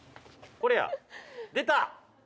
「これや。出た！